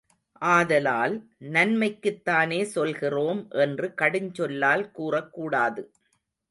ஆதலால், நன்மைக்குத்தானே சொல்கிறோம் என்று கடுஞ்சொல்லால் கூறக்கூடாது.